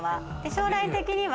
将来的には